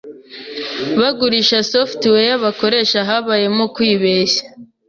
bagurisha software bakoresha habayemo kwibeshya,